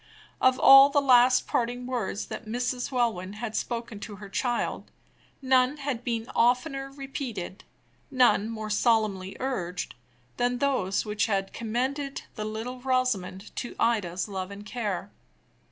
Of all the last parting words that Mrs. Welwyn had spoken to her child, none had been oftener repeated, none more solemnly urged, than those which had commended the little Rosamond to Ida's love and care.